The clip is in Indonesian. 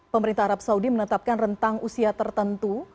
pemerintah arab saudi menetapkan rentang usia tertentu